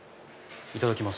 いただきます。